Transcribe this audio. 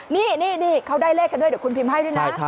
นี่เขาได้เลขกันด้วยเดี๋ยวคุณพิมพ์ให้ด้วยนะ